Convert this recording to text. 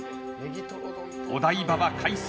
お台場は快晴。